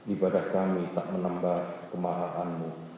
ibadah kami tak menambah kemahalanmu